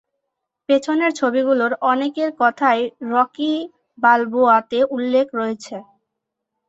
পেছনের ছবিগুলোর অনেকের কথাই "রকি বালবোয়া"তে উল্লেখ রয়েছে।